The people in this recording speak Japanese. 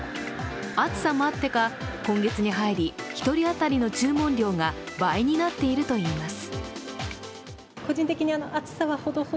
暑さもあってか今月に入り１人当たりの注文量が倍になっているといいます。